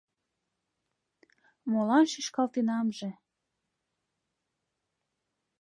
Молан шӱшкалтенамже?